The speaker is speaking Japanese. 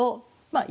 まあ